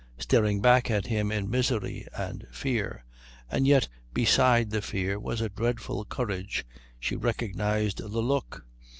Staring back at him in misery and fear, and yet beside the fear with a dreadful courage, she recognised the look.